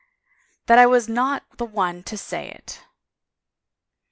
" That I was not the one to say it."